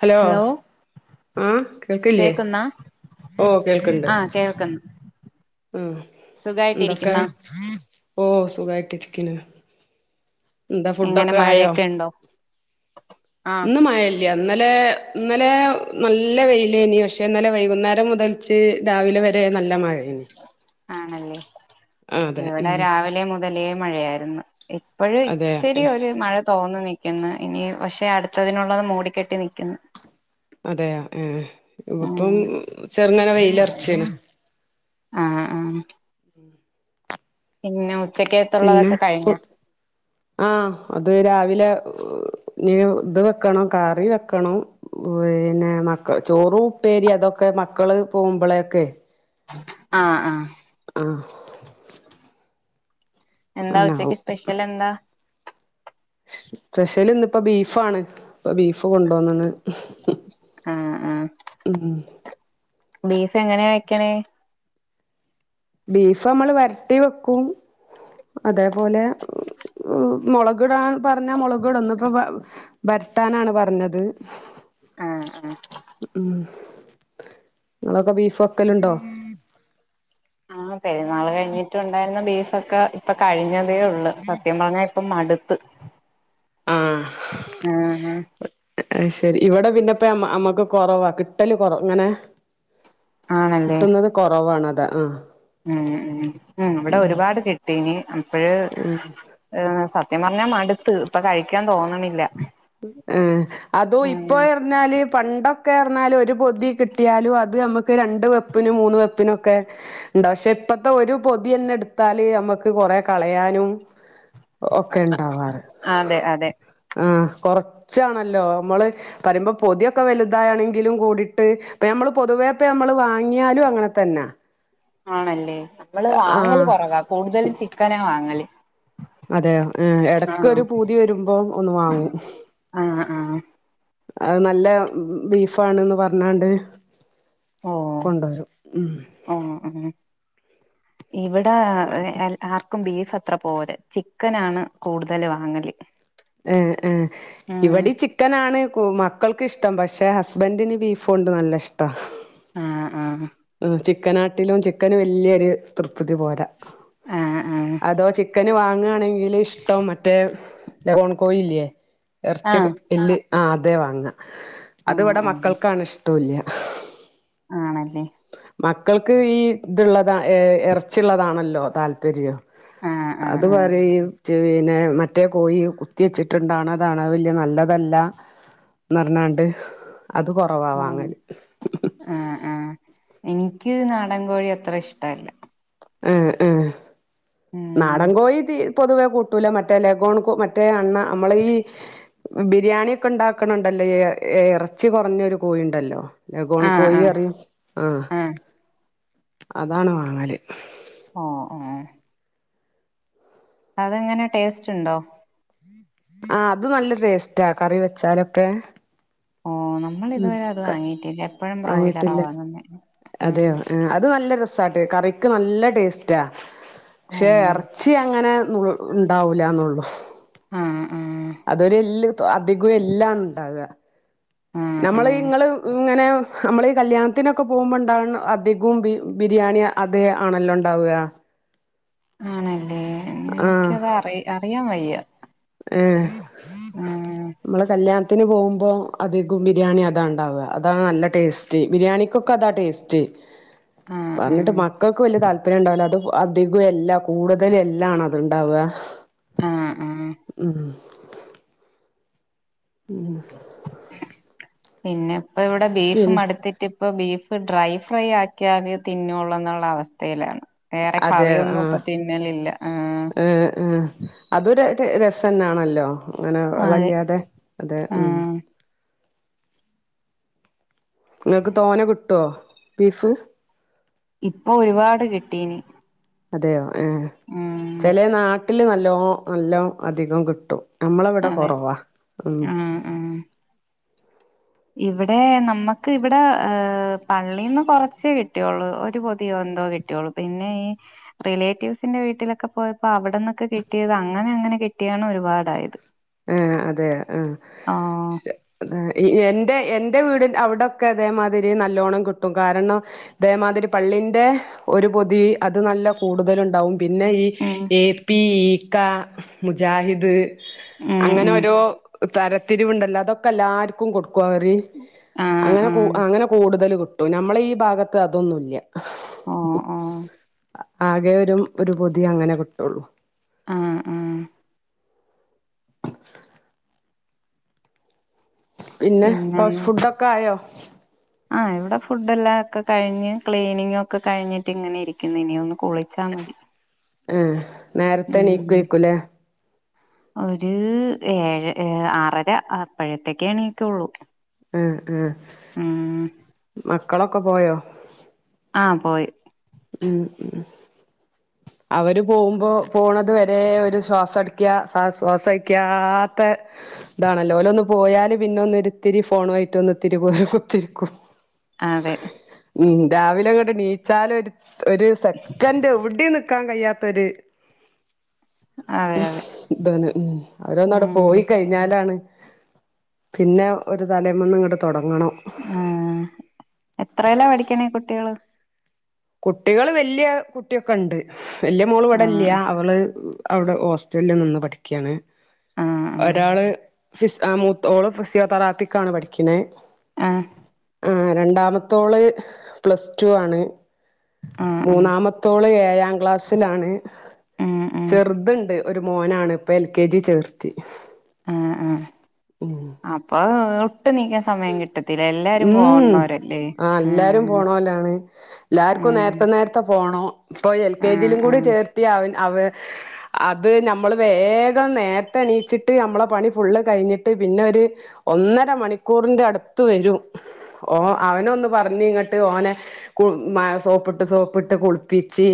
Hello. ഉം കേൾക്ക്ല്ലേ കേക്കുന്നാ ഓഹ് കേൾക്ക്ണ്ട്. ആഹ് കേൾക്കുന്നു ഉം എന്തക്കെ. സുഖായിട്ടിരിക്കുന്നാ ഓഹ് സുഖായിട്ടിരിക്കിന് എന്താ എങ്ങനെ ഫുഡൊക്കെ ആയോ മഴയൊക്കെ ഉണ്ടോ ആഹ് ഇന്ന് മയല്ല ഇന്നലെ ഇന്നലെ നല്ല വെയിലേനി ഇനി പക്ഷെ ഇന്നലെ വൈകുന്നേരം മുതൽ കുച്ച് രാവിലെ വരെ നല്ല മഴയുണ്ട് ആണല്ലേ അതെ എവിടെ ഉം രാവിലെ മുതലേ മഴയായിരുന്നു എപ്പഴും അതെ ശരി ഒരു മഴ തോന്നുന്നു നിൽക്കുന്നു ഇനി പക്ഷെ അടുത്തതിനുള്ളത് മൂടിക്കെട്ടി നിക്കുന്നു അതെയ ഏഹ് ഇപ്പം ഉം ചെറുങ്ങന വെയിലറച്ചീന ആഹ് ആഹ് പിന്നെ പിന്നെ ഉച്ചക്കത്തുള്ളതൊക്കെ കഴിഞ്ഞ ആഹ് അത് രാവിലെ ന ഇത് വെക്കണം കാറി വെക്കണം പിന്നെ മക്ക ചോറ ഉപ്പേരി അതൊക്കെ മക്കള് പോകുമ്പളേൊക്കെ ആഹ് ആഹ് ആഹ് എന്താ ഉച്ചക്ക് അങ്ങനാവും സ്പെഷ്യൽ എന്താ സ്പെഷ്യൽ ഇന്നിപ്പോ ബീഫാണ് ഇപ്പൊ ബീഫ് കൊണ്ടോന്നണ് ഉം ഉം ബീഫ് എങ്ങനെയാ വെക്കണേ ബീഫ് നമ്മൾ വരട്ടി വെക്കും അതേപോലെ മുളകടാൻ പറഞ്ഞാ മുളകട ഒന്ന ഇപ്പോ വരട്ടാനാണ് പറഞ്ഞത് ആഹ് ആഹ് ഉം നിങ്ങളൊക്കെ ബീഫ് വെക്കലുണ്ടോ ആഹ് പെരുന്നാൾ കഴിഞ്ഞിട്ടുണ്ടായിരുന്ന ബീഫക്കെ ഇപ്പൊ കഴിഞ്ഞതേ ഉള്ളൂ സത്യം പറഞ്ഞ ഇപ്പം മടുത്ത് ആഹ് ഉം ഉം അയ്ശരി ഇവിടെ പിന്നെപ്പ അമ്മക്ക് കൊറവാ കിട്ടല് കൊറവ അങ്ങനെ ആണല്ലേ കിട്ടുന്നത് കുറവാണ് അതാ ആഹ് ഉം ഉം ഉം ഇവിടെ ഒരുപാട് കിട്ടീനി അപ്പഴ് ഏഹ് സത്യം പറഞ്ഞാ മടുത്ത് ഇപ്പൊ കഴിക്കാൻ തോന്നണില്ല ഉം അതും ഉം ഇപ്പൊ പറാല് പണ്ടൊക്കെ അറിഞ്ഞാല് ഒരു പൊതി കിട്ടിയാലും അത് നമുക്ക് രണ്ട് വെപ്പിനും മൂന്ന് വെപ്പിനൊക്കെ ഉണ്ട പക്ഷെ ഇപ്പത്തെ ഒരു പൊതിയന്നെ എടുത്താലും നമ്മക്ക് കൊറെ കളയാനും ഒക്കെ ഉണ്ടാവാറ് അതെ അതെ ആഹ് കൊറച്ചാണല്ലോ നമ്മള് പറയുമ്പോ പൊതിയൊക്കെ വലുതാണെങ്കിലും കൂടിട്ട് ഇപ്പ നമ്മൾ പൊതുവേപ്പ നമ്മള് വാങ്ങിയാലും അങ്ങനെ തന്നെ ആണല്ലേ നമ്മള് ആ വാങ്ങല് കുറവാ കൂടുതലും ചിക്കനാ വാങ്ങല് അതയൊ ഏഹ് ആഹ് എടക്കൊരു പൂതി വരുമ്പോ ഒന്ന് വാങ്ങൂ ആഹ് ആഹ് അത് നല്ല ബീഫ ആണ്ന്ന് പറഞ്ഞാണ്ട് കൊണ്ടരും ഉം ആഹ് ആഹ് ഇവിടെ ആർക്കും ബീഫ് അത്ര പോര ചിക്കനാണ് കൂടുതൽ വാങ്ങല് [inaudible] ഏഹ് ഏഹ് ഉം ഇവിടെ ച ച്ചിക്കനാണ് മക്കൾക്ക്ഷ്ടം പക്ഷെ ഹസ്ബൻഡിന് ബീഫുണ്ട് നല്ല ഇഷ്ട്ടാ ആഹ് ആഹ് മ് ചിക്കനാട്ടിലും ചിക്കന് വല്യൊരു തൃപ്തി പോരാ ആഹ് ആഹ് അതോ ചി ചിക്കന് വാങ്ങുകാണെങ്കില് ഇഷ്ടം മറ്റേ ലോൺ കോഴില്ലേ എർച്ചി ആഹ് ഇല് ആ അതെ വാങ്ങ ആഹ് അതിവിടെ ആഹ് മക്കൾക്കാണെ ഇഷ്ടല്യ ആണല്ലേ മക്കൾക്ക് ഈ ഇത്ള്ളതാ ഏ എറച്ചിയുള്ളതാണല്ലോ താല്പര്യം ആഹ് ആഹ് ആഹ് അതുവരെയും പിന്നെ മറ്റേ കോഴിയെ കുത്തി വെച്ചിട്ടുണ്ടാണതാണ് അത് വല്യ നല്ലതല്ല ന്ന് പറഞ്ഞാണ്ട് അത് ഉം കൊറവാവാങ്ങല് ആഹ് ആഹ് എനിക്ക് നാടൻ കോഴി അത്ര ഇഷ്ടല്ല ഉം ഉം ഉം നാടൻ കോഴീ തീ പൊതുവെ കൂട്ടൂല മറ്റേ ലഗോൺ മറ്റേ അണ്ണ നമ്മളെ ഈ ബിരിയാണി ഒക്കെ ഉണ്ടാക്കണണ്ടല്ലോ എ എറച്ചി കുറഞ്ഞൊരു കോഴി ണ്ടല്ലോ ലഗോൺ ആഹ് കോയി ആഹ് അറിയും ആഹ് അതാണ് വാങ്ങാല് ഓ ഓ അതെങ്ങനെ ടേസ്റ്റ് ഉണ്ടോ ആഹ് അത് നല്ല ടേസ്റ്റാ കറി വെച്ചാലൊക്കെ ഓ നമ്മൾ ഉം ഇതുവരെ അത് വാങ്ങിയിട്ടില്ല എപ്പോഴും ബ്രോയ്ലറ വാങ്ങുന്നെ ഉം ഉം അത് നല്ല രസാ ട്ടെ കറിക്ക് നല്ല ടേസ്റ്റാ പക്ഷേ ഓഹ് എറ ച്ചി അങ്ങനെ ഉണ്ടാവൂല്ല എന്നുള്ളൂ ആഹ് ആഹ് അതൊരുല്ല് അധികവും എല്ലാണ് ഉണ്ടാവുക ആഹ് നമ്മള് ആഹ് ഇങ്ങള് ഇങ്ങനെ നമ്മള് ഈ കല്യാണത്തിനൊക്കെ പോകുമ്പോണ്ടാണ് അധികവും ബിരിയാണി അത് ആണല്ലോ ഉണ്ടാവുക ആണല്ലേ എനിക്കത് അറി അറിയാൻ വയ്യ ആഹ് ഉം അമ്മള് കല്യാണ ത്തിന് പോകുമ്പോൾ അധികം ബിരിയാണി അതാ ഉണ്ടാവുക അതാണ് നല്ല ടേസ്റ്റ് ബിരിയാണിക്കൊക്കെ അതാ ടേസ്റ്റ് ആഹ് പറഞ്ഞിട്ട് ആഹ് മക്കൾക്ക് വലിയ താ ത്പര്യം ഉണ്ടാവില്ല അത് അധികം എല്ല കൂടുതലും എല്ലാണ് അത്ണ്ടാവുക ആഹ് ആഹ് ഉം ഉം പിന്നെ ഇപ്പ ഇവിടെ പിൻ ബീഫും മടുത്തി ട്ടിപ്പൊ ബീഫ് ഡ്രൈ ഫ്രൈ ആക്കിയാലെ തിന്നൊള്ളൊന്നുള്ള എന്നുള്ള അവസ്ഥയിലാണ് വേറെ അതെ കറിയൊന്നും ഇപ്പ ആഹ് തിന്നലില്ല ആഹ് ഏഹ് ഏഹ് അതൊരു രസന്നാണല്ലോ അങ്ങനെ അതെ വള്ളല്ലാതെ അതെ ഉം ആഹ് നിങ്ങൾക്ക് തോനെ കിട്ടുവോ ബീഫ് ഇപ്പൊ ഒരുപാട് കിട്ടീന് അതെയോ ഏ ചില നാട്ടില് നല്ലോ നല്ലോ അധികം കിട്ടും നമ്മളവിടെ അതെ കൊറവാ ഉം ആഹ് ആഹ് ഇവിടെ നമ്മുക്ക് ഇവിടെ ഏഹ് പള്ളീന്ന് കുറച്ചേ കിട്ടിയോള്ളൂ ഒരു പൊതിയോ എന്തോ കിട്ടിയോള്ളു പിന്നെ ഈ റിലേറ്റീവ്സിന്റെ വീട്ടിലൊക്കെ പോയപ്പോ അവിടെന്നൊക്കെ കിട്ടിയത് അങ്ങനെ അങ്ങനെ കി ട്ടിയാണ് ഒരുപാടായത് ആഹ് അതെയൊ ആഹ് ആഹ് എന്റെ എന്റെ വീടി അവിടൊക്കെ അതേമാതിരി നല്ലോണം കിട്ടും കാരണം ഇതേമാതിരി പള്ളിന്റെ ഒരു പൊതി അത് നല്ല കൂടുതല് ഇണ്ടാവും. പിന്നെ ഈ ഉം എ പി, ഈക്ക, മുജാഹിദ്. ഉം അങ്ങനെ ഉം ഒരോ തരത്തിരിവ്ണ്ടല്ലൊ. അതൊക്കെ എല്ലാർക്കും കൊടുക്കും അവരി ആഹ് അങ്ങനെ കൂ ആഹ് അങ്ങനെ കൂടുതല് കിട്ടും. നമ്മളെ ഈ ഭാഗത്ത് അതൊന്നുല്ല. ഓഹ് ഓഹ് ആകെ ഒരു പൊതി അങ്ങനെ കിട്ടൊള്ളു. ആഹ് ആഹ് പിന്നെ ഫാസ് ഫുഡൊക്കെ ആയോ. ആ ഇവിടെ ഫുഡെല്ലാം ഒക്കെ കഴിഞ്ഞ്. ക്ലീനിങ്ങൊക്കെ കഴിഞ്ഞ്ട്ട് ഇങ്ങനെ ഇരിക്കുന്നു. ഇനി ഒന്ന് കുളിച്ചാ മതി. ഏഹ്. ഉം ഒരു ഏഴഏ ആറര അപ്പഴത്തേക്ക് എണീറ്റൊള്ളു. ആ ആ. മക്കളൊക്കെ പോയോ. ആ പോയി ഉം. ഉം. അവര് പോകുമ്പോ പോണതു വരെ ഒരു ശ്വാസം ഇട്ക്ക ശ്വാസയ്ക്കാത ത്തെ ഇതാണല്ലോ. ഓലൊന്ന് പോയാല് പിന്നെ ഒന്ന് ഒരിത്തിരി ഫോൺ ആയിട്ട് ഒന്ന് ഒത്തിരി പോലെ കുത്തിരിക്കും. അതെ ഉം രാവിലെ ഇങ്ങട്ട് നീച്ചാല് ഒരു ഒരു സെക്കൻഡ് എവി ടിം നിക്കാൻ കഴിയാത്തൊരു അതെ അതെ ഇതാണ്. ഉം അവരൊന്നണ്ട് ഉം പോയി കഴിഞ്ഞ ഞ്ഞാലാണ് പിന്നെ ഒരു തലേമന്ന് ഇങ്ങട്ട് തൊടങ്ങണം. ആ എത്രേലാ. പഠിക്ക്ണെ കുട്ട്യേള്. കുട്ടികള് വല്യ കുട്ട്യാെക്കെ ഇണ്ട്. വല്യ മോള് ആ ഇവ്ടെ ഇല്ല. അവള് അവള് ഹോസ്റ്റല് നിന്ന് പഠിക്ക്യാണ്. ആ ഒരാള് ഫി [unintelligible] മൂ ഓള് ഫിസിയോതെറാപ്പിക്കാണ് പഠിക്ക്ണെ ആ ആ രണ്ടാമത്തോള് പ്ലസ് ടു ആണ്. ആ ആ മൂന്നാമത്തോള് ഏയാം ക്ലാസ്സിലാണ്. ഉം ഉം ചെറ്ത്ണ്ട്. ഒരു മോനാണ്. ഇപ്പൊ എൽ കെ ജി ചേർത്തി. ആ. ആ. അപ്പൊ ഒട്ട് നീക്ക സമയം കിട്ടത്തില്ല. എല്ലാരും ഉം പോകുന്നോരല്ലെ. ആ എല്ലാരും ഏഹ്. ഏഹ് ത്തെ പോണോ. ഇപ്പൊ എൽ കെ ജിയിലും കൂടി ചേർത്തി അവൻ അവ അത് നമ്മൾ വേഗം നേരത്തെ എണീച്ചിട്ട് അമ്മളെ പണി ഫുള്ള് കഴിഞ്ഞിട്ട് പിന്നെ ഒര് ഒന്നര മണിക്കൂറിന്റെ അടുത്ത് വെരും. ഓ അവനെ ഒന്ന് പറഞ്ഞി ഇങ്ങട്ട് ഓനെ കു സോപ്പിട്ട് സോപ്പിട്ട് കുളി പിച്ചി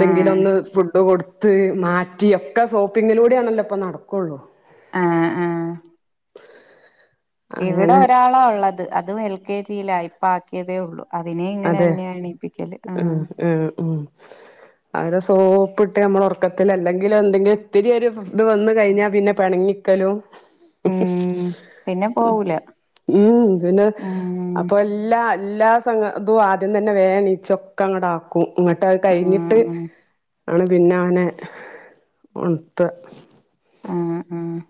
ആ ഒന്ന് ഫുഡ് കൊടു ത്ത് മാറ്റി ഒക്കെ സോപ്പിങ്ങിലൂടെ ആണല്ലോ ഇപ്പ നടക്കൊള്ളു. ആ. ആ. ഇവിടെ അങ്ങനെ ഒരാളാ ഇള്ളത്. അതും എൽ കെ ജീലാ. ഇപ്പ ആക്കിയതെ ഒള്ളു. അതിനെ ഇങ്ങനെ തന്നേണ് എണീപ്പിക്കല്. ഏഹ്. ഉം അവരെ സോപ്പ്ട്ട് അമ്മളെ ഒറക്കത്തില് അല്ലെങ്കിൽ എന്തെങ്കിലും ഇത്തിരി ഒരു ഇത് വന്ന് കഴിഞ്ഞാൽ പിന്നെ പെണങ്ങിക്കലും ഉം പിന്നെ പോവൂല ഉം പിന്നെ ഉം അപ്പൊ എല്ലാ എല്ലാ സം അതും ആദ്യം തന്നെ വേം എണീചൊക്കെ അങ്ങട്ട് ആക് ഇങ്ങോട്ട് അത് ആഹ് കഴിഞ്ഞിട്ട് ആഹ് ആണ് പിന്നെ അവനെ ഉണത്ത ആഹ് ആഹ്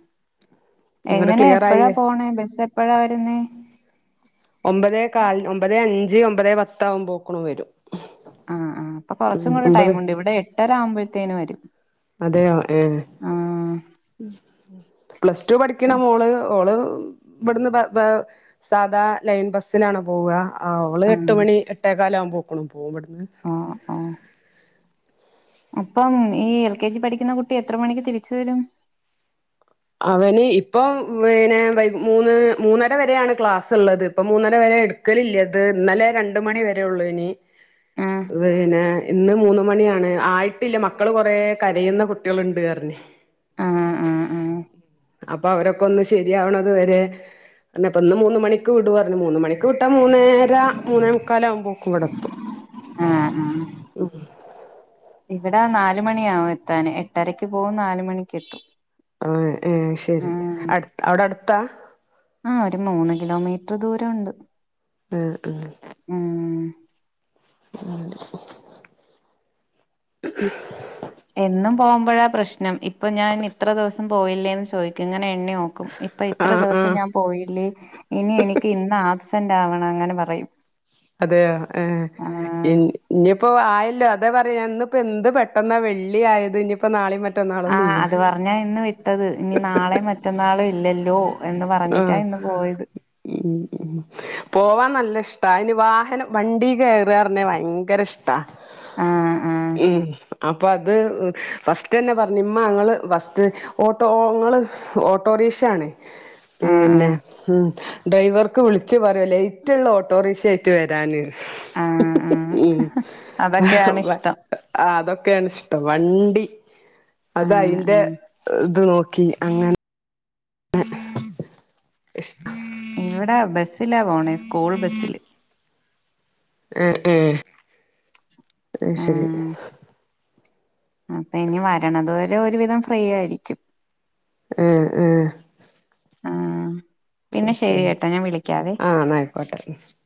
ഇങ്ങട് എങ്ങനെ ക്ലിയർ ആയി എപ്പഴാ വ പോണെ ബസ് എപ്പഴാ വരുന്നേ ഒമ്പതേ കാൽ ഒമ്പതേ അഞ്ച് ഒമ്പത് പത്താകുംപോക്ക്ണ് വരും ആഹ് ആഹ് അപ്പൊ ഉം കുറച്ചും കൂടെ ഒമ്പത് ടൈമുണ്ട് ഇവിടെ എട്ടര ആവുമ്പോഴത്തേന് വരും അതെയോ ഏഹ് ആഹ് പ്ലസ് ടു പഠിക്ക്ണ മോള് ഓള് ഇവിടുന്ന് സാധാ ലൈൻ ബസിലാണ് പോവാ ഓള് എട്ട് ആഹ് മണി എട്ടേ കാലാവകുമ്പോക്കും പോവുമ്പടുന്ന് ഓഹ് ഓഹ് അപ്പം ഈ എൽ കെ ജി പഠിക്കുന്ന കുട്ടി എത്ര മണിക്ക് തിരിച്ചു വരും അവന് ഇപ്പൊ പിനെ മൂന്ന് മൂന്നര വരെയാണ് ക്ലാസ് ള്ളത് ഇപ്പ മൂന്നര വരെ എ ക്ക്ലില്ലത് ഇന്നലെ രണ്ട് മണി വരെ ഒള്ളോയിന്നു ആഹ് പിന്നെ ഇന്ന് മൂന്ന് മണിയാണ് ആയിട്ടില്ല മക്കള് കൊറെ കരയുന്ന കുട്ടികളുണ്ട്ന്ന് പറഞ്ഞ് ആഹ് ആഹ് ആഹ് അപ്പൊ അവരൊക്കെ ഒന്ന് ശരിയാവണത് വരെ നേ പ്പൊ ഇന്ന് മൂന്ന് മണിക്ക് വിടു പറഞ്ഞു മൂന്ന് മണിക്ക് വിട്ടാ മുന്നേര മൂന്നേ മുക്കാലാവകുമ്പോക്കും ഇവടെത്തും ആഹ് ഇവടെ നാല് മണിയാവും എത്താന് എട്ടരക്ക് പോകും നാല് മണിക്ക് എത്തും ഏഹ് ഏഹ് ശെരി അടു അവിടെ അടുത്താ ആ ഒരു മൂന്ന് കിലോമീറ്റർ ദൂരംണ്ട് ഏഹ് ഉം എന്നും പോകുമ്പോഴാ പ്രശ്നം ഇപ്പൊ ഞാൻ ഇത്ര ദിവസം പോയില്ലേന്ന് ചോയി ക്കും ഇങ്ങനെ എണ്ണിനോക്കും ഇപ്പൊ ആ ആ ഇത്ര ആ ദിവസം ഞാൻ പോയില്ലേ ഇനി എനിക്ക് ഇന്ന് ആബ്സെന്റ് ആവണം അങ്ങനെ പറയും അതെയോ ഏ ആഹ് ഇന് ഇഞ്ഞിപ്പോ ആയല്ലോ അതാ പറയ ഇന്നിപ്പോ എന്ത് പെട്ടെന്നാ വെള്ളി ആയത് ഇനി ഇപ്പ നാളിം മറ്റന്നാളും ആഹ് ലീവാ അത് പറഞ്ഞാ ഇന്ന് വിട്ടത് ഇനി നാളെ മറ്റന്നാളും ഇല്ലല്ലോ എന്ന് ആ പറഞ്ഞിട്ടാ ഇന്ന് പോയത് ഉം പോവാൻ നല്ല ഇഷ്ട അയ്ന് വാഹനം വണ്ടി കയറിയറിഞ്ഞ ഭയങ്കര ഇഷ് ടാ ആഹ് ആഹ് ഉം അപ്പ അത് ഫസ്റ്റ് തന്നെ പറഞ്ഞ് മ്മ ഞള് ഫസ്റ്റ് ഓട്ടോ ങ്ങള് ഓട്ടോറിക്ഷ ആണ് ആഹ് പിന്നെ ഉം ഡ്രൈവർക്ക് വിളിച്ച് പറയൊ ലേറ്റ്ള്ള ഓട്ടോറിക്ഷയായിട്ട് വരാന് ആഹ് ആഹ് ആഹ് ഉം അതൊക്കെയാണ് ആഹ് ഇഷ്ടം അതൊക്കെയാണ് ഇഷ്ടം വണ്ടി അത ആഹ് അയിൻ്റെ ആഹ് ഇത് നോക്കി അങ്ങനെ ആ ഇഷ് ഇവിടെ ബസ്സിലാ പോണേ സ്കൂൾ ബസ്സില് ഏഹ് ഏ അയ് ശെരി അപ്പ ഇനി വരണതു വരെ ഒരുവിധം ഫ്രീ ആയിരിക്കും ഏഹ് ഏഹ് ആഹ് പിന്നെ ശെരി ശരി കേട്ടാ ഞാൻ വിളിക്കാവേ [unintelligible]